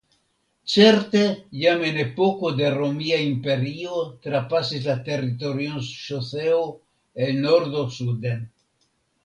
Certe jam en epoko de Romia Imperio trapasis la teritorion ŝoseo el nordo suden.